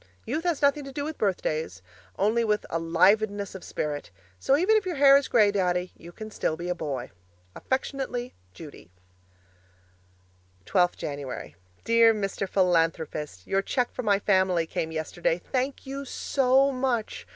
Youth has nothing to do with birthdays, only with ALIVEDNESS of spirit, so even if your hair is grey, Daddy, you can still be a boy. Affectionately, Judy 12th Jan. Dear Mr. Philanthropist, Your cheque for my family came yesterday. Thank you so much!